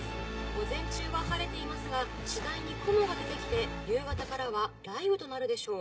午前中は晴れていますが次第に雲が出て来て夕方からは雷雨となるでしょう。